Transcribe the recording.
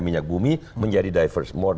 minyak bumi menjadi more